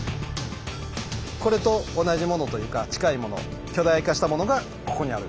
これと同じものというか近いもの巨大化したものがここにある。